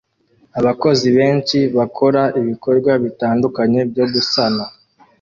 Abakozi benshi bakora ibikorwa bitandukanye byo gusana